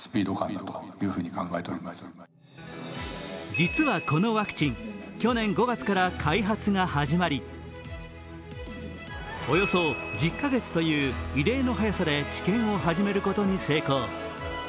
実はこのワクチン、去年５月から開発が始まりおよそ１０カ月という異例の早さで治験を始めることに成功。